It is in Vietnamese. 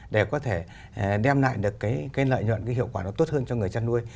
để có thể đem lại được cái lợi nhuận cái hiệu quả nó tốt hơn cho người chăn nuôi